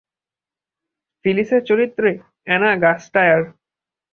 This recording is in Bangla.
ফিলিসের চরিত্রে অ্যানা গাস্টায়ার।